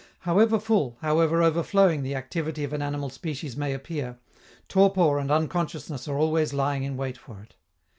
However full, however overflowing the activity of an animal species may appear, torpor and unconsciousness are always lying in wait for it.